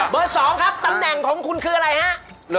๒ครับตำแหน่งของคุณคืออะไรฮะ